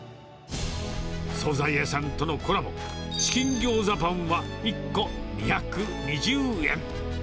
総菜屋さんとのコラボ、チキン餃子パンは１個２２０円。